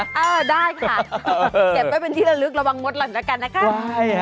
อ่าได้ค่ะเก็บไปเป็นที่ละลึกระวังมดหล่อนละกันนะคะ